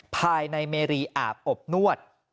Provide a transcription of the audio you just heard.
ภายในเมรีอาบอบนวด